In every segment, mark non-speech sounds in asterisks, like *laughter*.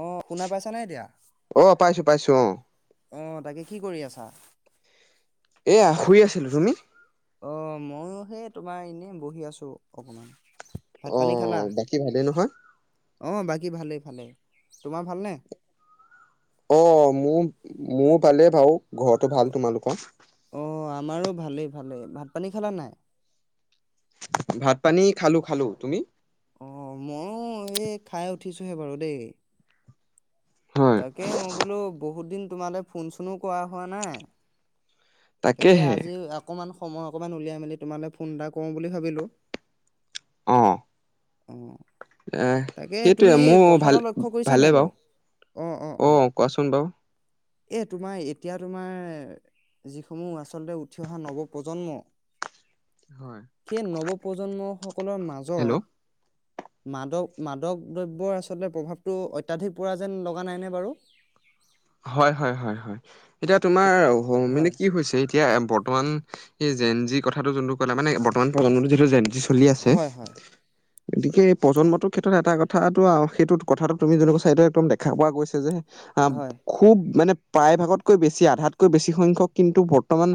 অ শুনা পাইছা নাই এতিয়া অ পাইছো পাইছো অ অ তাকে কি কৰি আছা এয়া শুই আছিলো তুমি অ', ময়ো সে তোমাৰ এনে বহি আছো অকমান ভাত অ পানী খালা? বাকী ভালেই নহয় ভালে তোমাৰ ভালনে অ মোৰ মোৰ ভালেই বাৰু ঘৰটো ভাল তোমালোকৰ আৰু ভালেই ভালেই ভাত পানী খালা নাই? ভাত পানী খালো খালো। তুমি? অ ময়ো এই খাই উঠিছোহে বাৰু দেই। হয় তাকে মই বোলো বহুত দিন তোমালে ফোন চোনো কৰা হোৱা নাই। তাকে তাকেহে আজি অকমান। সময় অকমান উলিয়াই মেলি তোমালে ফোন এটা কৰো বুলি ভাবিলো। অঁ। অ। আহ তাকে তুমি সেইটোৱে এই মোৰ কথা এটা ভাল লক্ষ্য কৰিছা নাই ভালে বাৰু অ কোৱাচোন বাৰু। এ তোমাৰ এতিয়া তোমাৰ যিসমূহ আচলতে উঠি অহা নৱপ্ৰজন্ম হয় সেই নৱপ্ৰজন্ম সকলৰ হেল্ল' মাজত মাদক মাদক দ্ৰব্যৰ আচলতে প্ৰভাৱটো অত্যাধিক পৰা যেন লগা নাইনে বাৰু হয় হয় হয় হয় এতিয়া তোমাৰ মানে হয় কি হৈছে এতিয়া বৰ্তমান এই জেন জি কথাটো যোনটো কলে মানে বৰ্তমান প্ৰজন্মতো যি জেন জি চলি আছে হয় হয় গতিকে এই প্ৰজন্মটোৰ ক্ষেত্ৰত এটা কথাটো সেইটো কথাটো তুমি যেনেকুৱা চাইদ একদম দেখা পোৱা গৈছে যে অ হয় খুব মানে প্ৰায়ভাগতকৈ বেছি আধাতকৈ বেছি সংখ্যক কিন্তু বৰ্তমান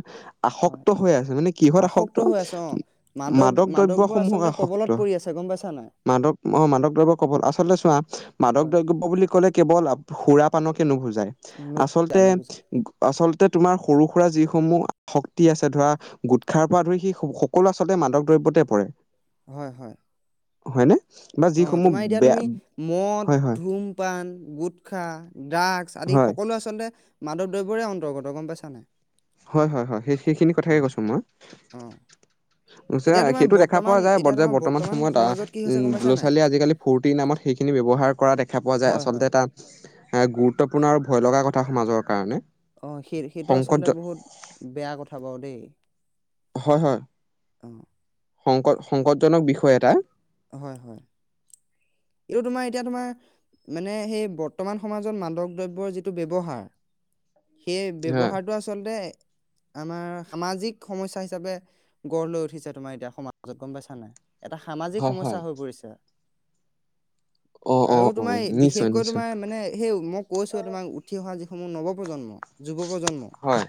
হয় আসক্ত হৈ আছে মানে কিহত আসক্ত হৈ আছে অ মাদক মাদকবোৰ দ্ৰব্যসমূহক আচলতে আসক্ত কবলত পৰি আছে গম পাইছা নাই মাদক আহ মাদক দ্ৰব্য ক'বল আচলতে চোৱা মাদক হয় দ্ৰব্য বুলি ক'লে কেৱল সুৰা পানকে নুবুজাই নুবুজাই আচলতে নুবুজাই আচলতে তোমাৰ সৰু সুৰা যিসমূহ শক্তি আছে ধৰা গুটখাৰ পৰা ধৰি সেই সকলো আচলতে মাদক দ্ৰব্যতে পৰে। হয় হয়। হয়নে? বা অ যিসমূহ তোমাৰ এতিয়া বেয়া তুমি মদ, হয় হয় ধুমপান, গুটখা, ড্ৰাগ আদি হয় সকলো আচলতে মাদক দ্ৰব্যৰে অন্তৰ্গত গম পাইছানে? হয় হয় হয়‌ সেইখিনি কথাকেই কৈছো মই। অ এতিয়া *unintelligible* তোমাৰ সেইটো দেখা বৰ্তমান পোৱা যায় এতিয়া যে তোমাৰ বৰ্তমান সময়ত আ‌ সমাজত কি অ হৈছে গম পাইছা লৰা নাই? ছোৱালীয়ে আজিকালি ফূৰ্তি নামত সেইখিনি ব্যৱহাৰ কৰা দেখা পোৱা যায় হয় আচলতে হয়। তাত গুৰুত্বপূৰ্ণ আৰু ভয় লগা কথা সমাজৰ কাৰণে। অ সেই সেইটো সংকট আচলতে বহুত, বেয়া কথা বাৰু দেই। হয়-হয়। অ সংক সংকটজনক বিষয় এটা। হয়-হয় এইটো তোমাৰ এতিয়া তোমাৰ মানে সেই বৰ্তমান সমাজত মাদক দ্ৰব্যৰ যিটো ব্যৱহাৰ, সেই হয় ব্যৱহাৰটো আচলতে আমাৰ সামাজিক সমস্যা হিচাপে গঢ় লৈ উঠিছে তোমাৰ এতিয়া সমাজত গম পাইছা নাই। এটা সামাজিক হয় সমস্যা হয় হৈ পৰিছে। অঁ আৰু অঁ অঁ তোমাৰ নিশ্চয় বিশেষকৈ নিশ্চয় তোমাৰ মানে সেই মই কৈছো তোমাক উঠি অহা যি সমূহ নৱপ্ৰন্ম প্ৰজন্ম হয়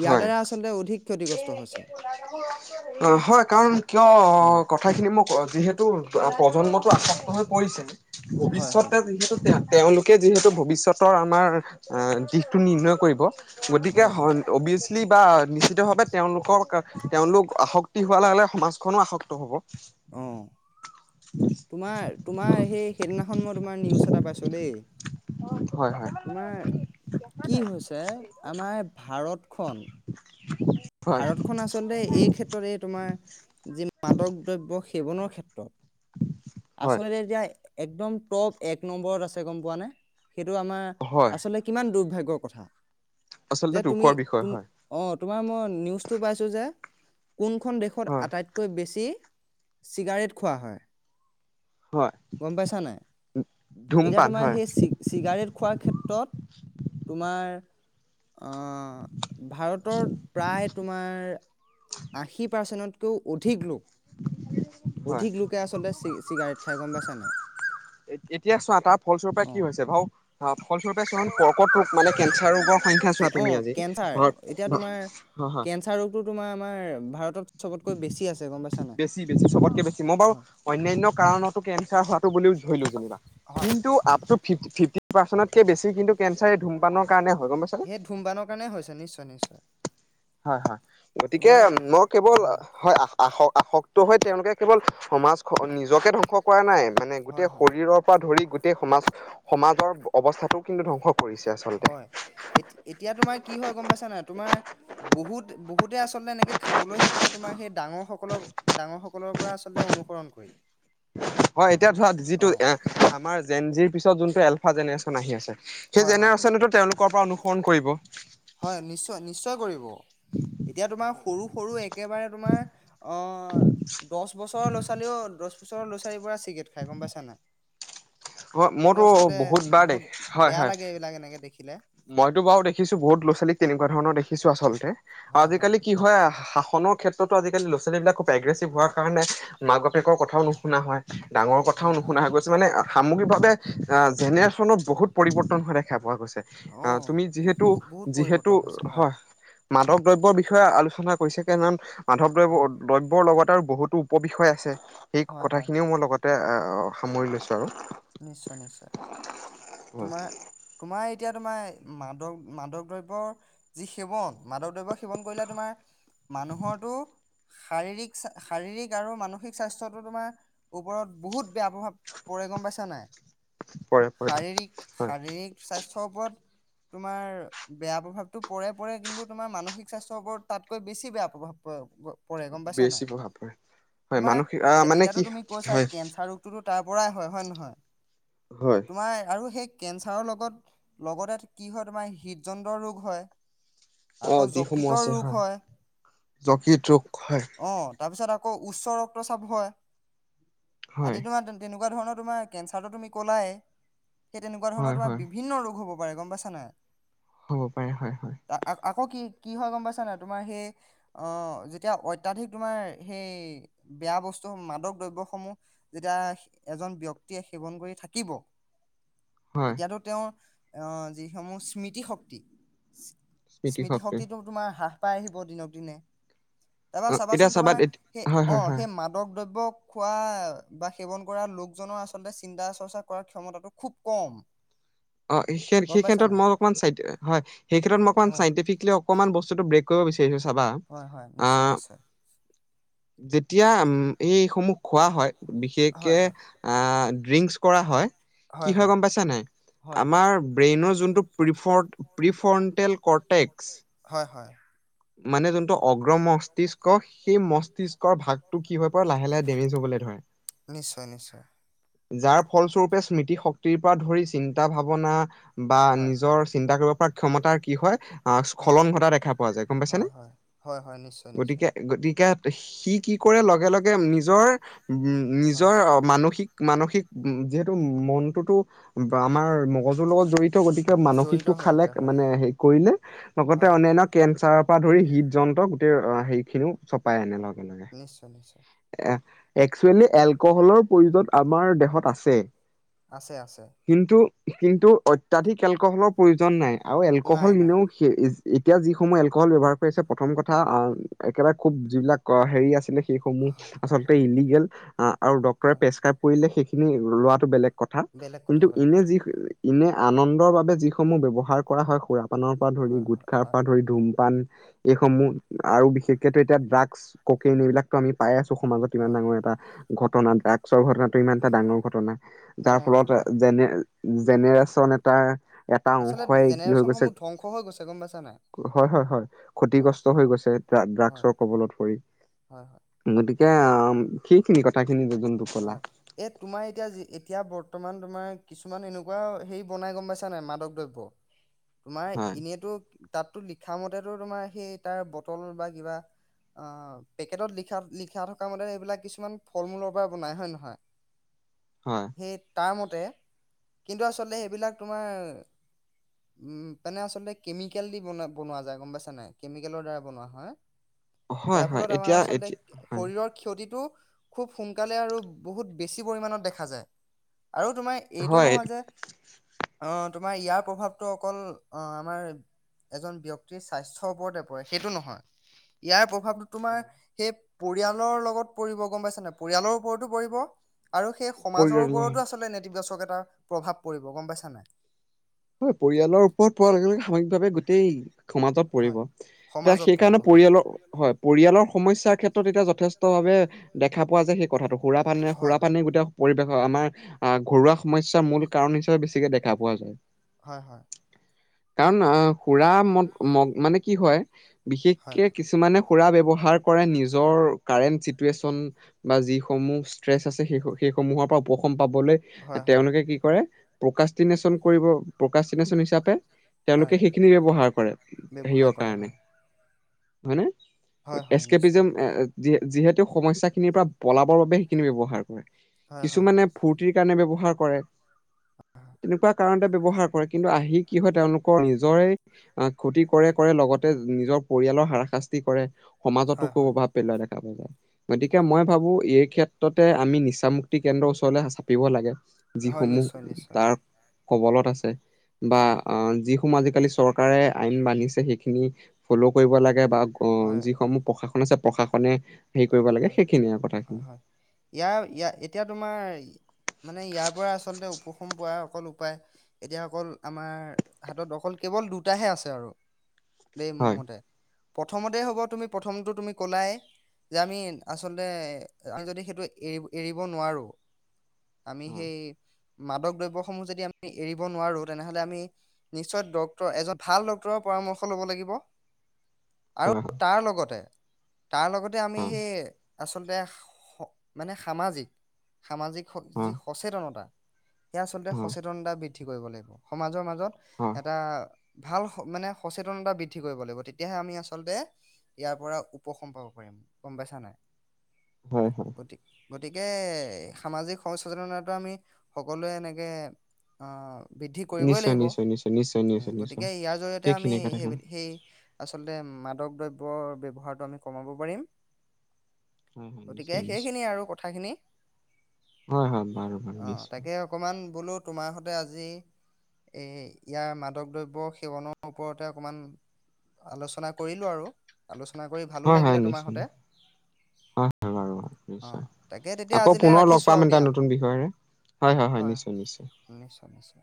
ইয়াৰ হয় দ্বাৰা আচলতে অধিক ক্ষতিগ্ৰস্ত হৈছে। অ' হয় কাৰণ কিয় অ', কথাখিনি মোক যিহেতু প্ৰজন্মতটো আসক্ত হৈ পৰিছে। হয়, হয়, ভৱিষ্যতে যিহেতু তে তেওঁলোকে যিহেতু ভৱিষ্যতৰ আমাৰ দিশটো নিৰ্ণয় কৰিব। গতিকে, হয়, হয়, হন অবি বা নিশ্চিতভাৱে তেওঁলোকৰ, -তেওঁলোক আসক্তি হোৱাৰ লগ-লগে সমাজখনো আসক্ত হ'ব। অহঁ। তোমাৰ-তোমাৰ সেই সেইদিনাখন মই তোমাৰ নিউজ এটা পাইছো দেই। হয় হয় তোমাৰ কি হৈছে, আমাৰ ভাৰত খন। *inaudible* হয় ভাৰতখনন আচলতে এই ক্ষেত্ৰতে তোমাৰ যি মাদক দ্ৰব্য সেৱনৰ ক্ষেত্ৰত হয় আচল য *unintelligible* একদম টপ এক নম্বৰত আছে, গম পোৱা নে। সেইটো আমাৰ হয় আচলতে কিমান দুৰ্ভাগ্য। কথা। আচলতে যে তুমি, দুখৰ বিষয় তুম হয় অ, তোমাৰ মই নিউজটো পাইছোঁ যে কোনখন দেশত হয় আটাইতকৈ বেছি চিগাৰেট খোৱা হয়। হয় গম পাইছা নাই? এতিয়া ধূমপান তোমাৰ হয় সেই চি-চিগাৰেট খোৱাৰ ক্ষেত্ৰত তোমাৰ আহ ভাৰতত প্ৰায় তোমাৰ আশী পাৰ্চেণ্টত কৌ অধিক লোক হয় অধিক লোকে আচলতে চি-চিগাৰেট খাই গম পাইছা নে এ এতিয়া চোৱা তাৰ ফলস্বৰূপ অ কি হৈছে, ভাও ফলসৰূপে কৰ্কট ৰোগ মানে কেঞ্চাৰ ৰোগৰ সংখ্যা কি, চোৱা অ, তুমি আজি কেঞ্চাৰ? এতিয়া ভাৰত তোমাৰ হয় হয় কেঞ্চাৰ ৰোগটো তোমাৰ আমাৰ ভাৰতত চবতকৈ বেছি আছে গম পাইছা নাই বেছি, বেছি চবতকে বেছি, মই বাৰু হয় অন্যান্য কাৰণতো কেঞ্চাৰ হোৱাটো বুলিও ধৰিলো যেনিবা হয়, কিন্তু আপ ফিফট, ফিফটি পাৰ্চেণ্টতকৈ বেছি কিন্তু কেঞ্চাৰ এই ধূমপানৰ কাৰণে হ সেই ধূমপানৰ কাৰণে হৈছে নিশ নিশ্চয়। হয়, হয়, গতিকে তোমাৰ মই কেৱল হয়, আ আসক্ত হৈ তেওঁলোকে কেৱল সমাজ খ, নিজকে ধ্বংস কৰা নাই মানে হয় গোটেই হয় শৰীৰৰ পৰা ধৰি গোটে সমাজ, সমাজৰ অৱস্থাটো কিন্তু ধ্বংস কৰিছে আচলতে হয়, এত-এতিয়া তোমাৰ কি হয় গম পাইছা নাই, তোমাৰ বহুত, বহুতে আচলতে এনেকে খাবলৈ শিকিলে তোমাৰ সেই ডাঙৰ সকলক, ডাঙৰ সকলৰ পৰা আচলতে অনুসৰণ কৰি। হয় এতিয়া ধৰা অ যিটো এ, আমাৰ জেনজি পিছত যোনটো এলফা জেনেৰেচন আহি আছে। সেই হয় হয় জেনেৰেচনেতো তেওঁলোকৰ পৰা অনু ফোন কৰিব। হয় নিশ্চয়-নিশ্চয় কৰিব, এতিয়া তোমাৰ সৰু-সৰু একেবাৰে তোমাৰ, অ' দহ বছৰৰ ল'ৰা ছোৱালীও দছ *unintelligible* পৰা চিগেট খায়, গম পাইছা নাই অ সেইটো মইতো আচলতে বহুত বাৰ দে, হয়, বেয়া হয়, লাগে এইবিলাক এনেকে দেখিলে মইতো বাৰু দেখিছো বহুত ল'ৰা-ছোৱালী তেনেকুৱা ধৰণৰ দেখিছো আচলতে আজিকালি কি হয় আহ নৰ ক্ষেত্ৰতো আজিকালি ল'ৰা-ছোৱালীবিলাক খুব অগ্ৰিছিভ হোৱাৰ কাৰণে মাবাপ পেকৰ কথাও নুশুনা হয়, ডাঙৰ কথাও নুশুনা হয়, গৈছে মানে সামগ্ৰিকভাৱে অ জেনেৰেশ্যনত বহুত পৰিৱৰ্তন হোৱা দেখা পোৱা গৈছে অ তুমি যিহেতু বহুত বহুত যিহেতু পৰিৱৰ্তন হৈছে হয় মাদক দ্ৰব্যৰ বিষয়ে আলোচনা পছোকে নান মাধৱদ্ৰব্য হয় দ্ৰব্যৰ লগত তাৰ বহুতো উপবিষয় আছে সেই হয় হয় কথাখিনিও মোৰ লগত সামৰি লৈছে নিশ্চয় নিশ্চয় হয় তোমাৰ তোমাৰ এতিয়া তোমাৰ মাদক মাদক দ্ৰব্যৰ যি সেৱন মাদক দ্ৰব্য সেৱন কৰিলে তোমাৰ মানুহৰো শাৰীৰিক শাৰীৰিক আৰু মানসিক স্বাস্থ্যতো তোমাৰ ওপৰত বহুত বেয়া প্ৰভাৱ পৰিৰে গম পাইছে জন নাই পৰে পৰে শাৰীৰিক হয় শাৰীৰিক স্বাস্থ্য ্থ ওপৰত তোমাৰ বেয়া প্ৰভাৱতটো পৰে পৰে কিন্তু তোমাৰ মানসিক স্বাস্থ্যৰ ওপৰত তাতকৈ বেছি বেয়া প্ৰভাৱ পৰে গম পাইছা বেছি নাই প্ৰভাৱ পৰে হয় তোমাৰ মানসিক আহ এতিয়া মানে এতিয়াতো কি তুমি কৈছা হয় কেঞ্চাৰ ৰোগটোতো তাৰ পৰাৰাই হয় হয় নহয় হয় তোমাৰ আৰু সেই কেঞ্চাৰৰ লগত লগতে কি হয় তোমাৰ হৃদযন্ত্ৰৰ ৰোগ হয় অ আকৌ যিসমূহ যকৃতৰ আছে ৰোগ হয় জকিোক হয় অ তাৰপিছত আকৌ উচ্চ ৰক্তচাপ হয় হয় আদিিতোমাৰ তেনেকুৱা ক ধৰণৰোমাৰ কেঞ্চাৰটো তুমি ক'লাই সেই তেনেুৱ ধৰণৰ হয় তোমাৰ হয় বিভিন্ ৰ হব বাৰে গম পাইছ নাই হ'ব পাৰে হয় হয় আকৌ কি কি হয় গম পাইছাানে তোমাৰ সেই অ যেতিয়া অত্য়াধিক তোমাৰ সেই বেয়া বস্তু মাদক দ্ৰব্য়সমূহ যেতিয়া এজন ব্ক্তি এতিয়া সেৱন কৰি থাকিব হয় তেতিয়াতো তেওঁৰ আহ যিসমূহ স্মৃতি শক্তি স্মৃতি শক্তি স্মৃতিশক্তিটো তোমাৰ হ্ৰাস পাই আহিব দিনক দিনে তাৰপা অ এতিয়া চাবাচোন চাবা তোমাৰ সেই হয় অ হয় হয় সেই মাদক দ্ৰব্য খোৱা বা সেৱন কৰা লোকজনৰ আচলতে আচলতে চিন্তা চৰ্চা কৰাৰ ক্ষমতাটো খুব কম অ গম সেই পাইছা ক্ষেত্ৰত নাই মই অকমান হয় সেই ক্ষেত্ৰত মই অকণমান হয় চাইণ্টিফিকি অকমান বস্তু ব্ৰে কৰিবাৰ সেইন চাবা হয় হয় নিশ্চয় আহ নিশ্চয় যেতিয়া উম এইসমূহ খোৱা হয় হয় বিশেষকে হয় আহ ড্ৰিংকছ কৰা হয় কি হয় গম পাইছা নাই হয় আমাৰ ব্ৰেইনৰ যোনটো প্ৰিফড প্ৰিফৰ্ণ্টেল হয় হয় মানে যোনটো অগ্ৰ মস্তিষ্ সেই মস্তিষ্কৰ ভাগটো কি হৈ পৰে লাহে লাহে ডেমেজ হবলৈ ধৰে নিশ্চয় নিশ্চয় যাৰ ফলস্বৰূপে স্মৃতি শক্তিৰ পৰা ধৰি চিন্তা ভাৱনা বা হয় নিজৰ চিন্তা কৰিব ক্ষমতাৰ কি হয় অ হয় স্খলন ঘটা দেখা পোৱা যায় গম হয় পাইছেনেে হয় হয় হয় নিশ্চয় নিশ্চয় গতিকে গতিকে সি কি কৰে লগে লগে নিজৰ উ হয় নিজৰ মানসিক মানসিক যিহেতু মনটোতো আমাৰ মগজুৰ লগত জড়িত গতিকে জড়িত মানসিকটো হৈ খালে থাকে হয় মানে হেৰি কৰিলে লগতে হয় অনান্য কেঞ্চাৰ তপ পৰা ধৰি হৃদ যন্ত্ৰ গোটেই হেৰিখিনিও চপাই আনে লগ নিশ্চয় নিশ্চয় এক্চুৱেলি এলকহলৰ প্ৰয়োজন আমাৰ দেহত আছে আছে আছে কিন্তু কিন্তু অত্যাধিক এলকহলৰ প্ৰয়োজন নাই আৰু এলকহল নাই নাই কনেও এতিয়া যিসমূহ এলকহল ব্যৱহাৰ কৰি আছে প্ৰথম কথা একেবাৰে খুব যিবিলাক হেৰি আছিলে সেইসমূহ হয়, আচল হয়, ইলিগেল ডৰে হয় প্ৰে্ৰ সেইখিনি লোৱাটো বেলেগ কথা বেলেগ কথা, কিন্তু বেলেগ এনে কথা। যি ইনে আনন্দৰ বাবে যিসমূহ ব্যৱহাৰ কৰা হয় খুৰাত পানৰ পৰা ধৰি হয়, হয়, গুটখাৰ হয়, পৰা ধৰি ধুূমপান এইসমূহ আৰু বিশেষকো এতিয়া ড্ৰাগছ ককন এইবিলাকো আমি পাই আছো সমাজত ইমান হয়, ডাঙৰ হয়, এটা ঘটনা অ', ড্ৰাকসৰ ঘটনা এটা ডাঙৰ ঘটনা যাৰ ডাঙৰ ফলত ঘটনা হয়। যেনে জেনেৰেচন এটা এটা আচলতে অংশই কি হৈ গৈছে জেনেৰেশ্যনসমূহ ধ্বংস হৈ গৈছে গম পাইছা নাই? হয় হয় হয় অ', ক্ষতিগ্ৰস্ত হৈ গৈছে হয়, ড্ৰাগছৰ কবলত পৰি হয়, হয়, গতি সেই খিনি কথা খিনি *unintelligible* এ তোমাৰ এতিয়া এতিয়া বৰ্তমান তোমাৰ কিছুমান এনেকুৱা হেৰি বনাই গম পাইছা নাই মাদক দ্ৰব্য। তোমাৰ হয় এনেইতো। তাতো লিখা মতেতো তোমাৰ সেই তাৰ বটল বা কিবা অ পেকেটত লিখা লিখা থকা মতে সেইবিলাক কিছুমান ফল মূলৰ বনাই হয় ন নহয়। হয় সেই তাৰ মতে কিন্তু আচলতে সেইবিলাক তোমাৰ উ মানে আচলতে কেমিকেল দি বনোৱা যায় গম পাইছা নাই কেমিকেলৰ দ্বাৰা বনোৱা হয়। হয় যাৰ হয় ফলত আমাৰ এতিয়া আচলতে এতিয়া হয় শৰীৰৰ ক্ষতিটো। খুব সোনকালে আৰু বহুত বেছি পৰিমাণত দেখা যায়। আৰু তোমাৰ এইটো হয় নহয় যে অ তোমাৰ ইয়াৰ প্ৰভাৱটো অকল অ আমাৰ এজন ব্যক্তিৰ স্বাস্থ্যৰ ওপৰতে পৰে সেইটো নহয় ইয়াৰ ভাৱটো তোমাৰ সেই পৰিয়ালৰ লগত পৰিব গম পাইছনে নাই পৰিয়ালৰ ওপৰতো পৰিব আৰু সেই সমাজৰ পৰিয়াল ওপৰতো হয় আচলতে নেতিবাচক প্ৰভাৱ পৰিব গম পাইছা নাই হয় পৰিয়ালৰ ওপৰত পৰাৰ লগে লগে সাময়িকভাৱে গোটেই সমাজত পৰিব হয় এতিয়া সমাজত পৰিব সেইকাৰণে পৰিয়ালৰ হয় পৰিয়ালৰ সমস্যাৰ ক্ষেত্ৰত এতিয়া যথেষ্ট ভাৱে দেখা পোৱা যায় সেই কথাটো সুৰা পানী কৈছো। হয় সুৰা হয় পানী *unintelligible* হয় আমাৰ ঘৰুৱা সমস্যাৰ মূল কাৰণ হিচাপে বেছিকে দেখা পোৱা যায় হয় হয় কাৰণ আহ সুৰা ম ম -মানে কি হয় হয় বিশেষকে কিছুমানে সুৰা ব্যৱহাৰ কৰে নিজৰ কাৰেণ্ট চিটুৱেচন বা যিসমূহ ষ্ট্ৰেচ আছে সেই সেইসমূহৰ পৰা উপশম পাবলৈ হয় হয় তেওঁলোকে কি কৰে প্ৰকাষ্টিনেচন কৰিব প্ৰকাষ্টিনেচন হিচাপে তেওঁলোকে হয়। সেইখিনি ব্যৱহাৰ কৰে ব্যৱহাৰ হেৰিয় কৰে কাৰণে হয় হয়নে হয় হয় নিশ্চয় এছকেপিজম যি যিহেতু সমস্যা খিনিৰ পৰা পলাবৰ বাবে সেইখিনি ব্যৱহাৰ কৰে হয় হয় কিছুমানে ফূৰ্তিৰ কাৰণে ব্যৱহাৰ কৰে তেনেকুৱা কাৰণতে ব্যৱহাৰ কৰে কিন্তু আহি কি হয় তেওঁলোকৰ নিজৰে ক্ষতি কৰে কৰে লগতে নিজৰ পৰিয়ালৰ হাৰাশাস্তি কৰে। সমাজতো হয় কু হয়। প্ৰভাৱ পেলোৱা দে। গতিকে মই ভাবো এই ক্ষেত্ৰতে আমি নিচামুক্তি কেন্দ্ৰৰ ওচৰলে চাপিব লাগে। হয় যিসমূহ নিশ্চয় নিশ্চয় তাৰ কবলত আছে। বা হয় অ যি আজিকালি চৰকাৰে আইন বান্ধিছে সেইখিনি ফ'ল' কৰিব লাগে। বা অ যিসমূহ প্ৰশা লিছে প্ৰশাসনে হেৰি কৰিব লাগে সেইখিনিয়ে কথাখিনি হয়-হয়-হয় ইয়াৰ এতিয়া তোমাৰ মানে ইয়াৰ পৰা আচলতে উপষম পোৱা অকল উপায় এতিয়া অকল আমাৰ হাতত অকল কেৱল দুটাহে আছে আৰু। দেই মোৰ হয় মতে। প্ৰথমতে হ'ব তুমি প্ৰথমটো তুমি কলাই। যে আমি আচলতে, আমি যদি সেইটো এৰি এৰিব নোৱাৰো। আমি হয় সেই মাদক দ্ৰব্যসমূহ যদি আমি এৰিব নোৱাৰো, তেনেহ'লে আমি, নিশ্চয় ডক্টৰ এজন ভাল ডক্টৰৰ পৰামৰ্শ ল'ব লাগিব। আৰু হয় তাৰ লগতে। তাৰ লগত আমি হয় সেই আচলতে, স মানে সামাজিক। সামাজিক যি হয় সচেতনতা। এয়া আচলতে সচেতনতা বৃদ্ধ বৃদ্ধি কৰিব লাগিব সমাজৰ মাজত হয় এটা ভাল স মানে সচেতনতা বৃদ্ধি কৰিব লাগিব। তেতিয়াহে আমি আচলতে, ইয়াৰ পৰা উপশম পাব পাৰিম। গম পাইছা নাই। হয়-হয়। গতি গতিকে, সামাজিক সচেতনতাটো আমি সকলোৱে এনেকে, অ', বৃদ্ধি কৰিবই নিশ্চয় লাগিব। নিশ্চয় নিশ্চয় নিশ্চয় উম, নিশ্চয় নিশ্চয় গতিকে ইয়াৰ জৰিয়তে আমি সেইখিনি কথাখিনি সেই-সেই আচলতে মাদক দ্ৰব্যৰ ব্যৱহাৰটো আমি কমাব পাৰিম। হয় হয় গতিকে নিশ্চয় নিশ্চয় সেইখিনিয়ে আৰু কথাখিনি। হয় হয় বাৰু বাৰু অ নিশ্চয়। তাকে অকমান বোলো তোমাৰ সতে আজি, এই ইয়াৰ মাদক দ্ৰব্য সেৱনৰ ওপৰতে অকমান, আলোচনা কৰিলো আৰু, আলোচ *unintelligible* কৰি ভালো হয় হয় লাগিলে তোমাৰ নিশ্চয় সৈতে। হয় হয় বাৰু অ নিশ্চয়, তাকে তেতিয়া আকৌ আজিলৈ পুনৰ লগ ৰাখিছো আৰু পাম এটা দিয়া নতুন বিষয়েৰে, হয় হয় হয় নিশ্চয় নিশ্চয়। নিশ্চয় নিশ্চয়